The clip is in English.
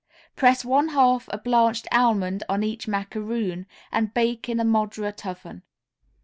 Press one half a blanched almond on each macaroon and bake in a moderate oven.